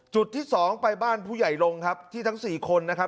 จุดที่สองไปบ้านผู้ใหญ่ลงครับที่ทั้ง๔คนนะครับ